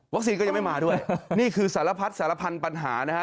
ก็ยังไม่มาด้วยนี่คือสารพัดสารพันธุ์ปัญหานะฮะ